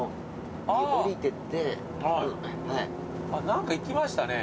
何か行きましたね。